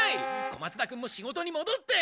小松田君も仕事にもどって！